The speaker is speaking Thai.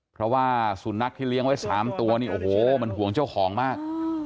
เพราะว่าสูณักที่เลี้ยงไว้๓ตัวมันหวงเจ้าของมาก